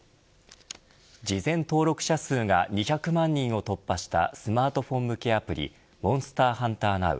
事前登録者数が２００万人を突破したスマートフォン向けアプリモンスターハンターＮｏｗ